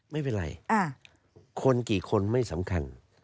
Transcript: ไม่เป็นไรคนกี่คนไม่สำคัญ